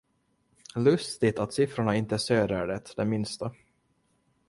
Lustigt att siffrorna inte stöder det det minsta.